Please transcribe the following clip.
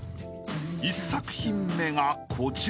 ［１作品目がこちら］